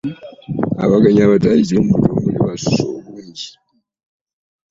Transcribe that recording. Abagenyi abataayitibwa mu butongole baasusse obungi.